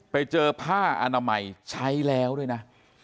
ไปเจอผ้าอนามัยใช้แล้วด้วยนะ